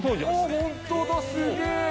本当だ、すげー。